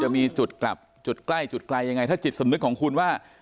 มีจุดกลับจุดใกล้จุดไกลยังไงถ้าจิตสำนึกของคุณว่า